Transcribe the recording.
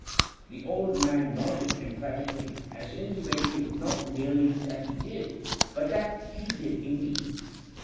The old man nodded emphatically, as intimating not merely that he did, but that he did indeed.